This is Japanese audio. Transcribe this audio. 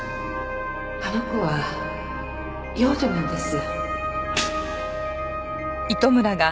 あの子は養女なんです。